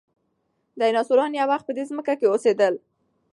ډیناسوران یو وخت په دې ځمکه کې اوسېدل.